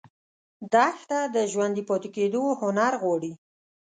دښته د ژوندي پاتې کېدو هنر غواړي.